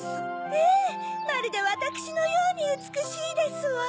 ええまるでわたくしのようにうつくしいですわ。